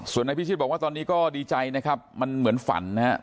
ส่วนนายพิชิตบอกว่าตอนนี้ก็ดีใจนะครับมันเหมือนฝันนะครับ